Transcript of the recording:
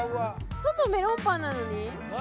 外メロンパンなのに？